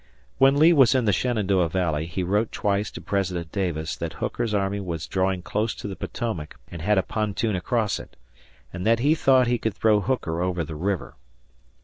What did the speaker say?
When Lee was in the Shenandoah Valley, he wrote twice to President Davis that Hooker's army was drawing close to the Potomac and had a pontoon across it, and that he thought he could throw Hooker over the river.